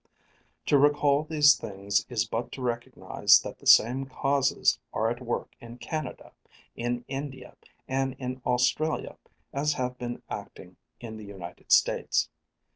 To recall these things is but to recognize that the same causes are at work in Canada, in India, and in Australia as have been acting in the United States.